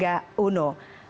kita lihat kekuatannya